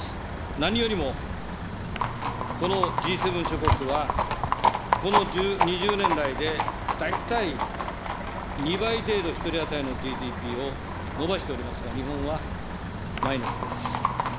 何よりも、このＧ７諸国は、この２０年来で大体２倍程度１人当たりのＧＤＰを伸ばしておりますが、日本はマイナスです。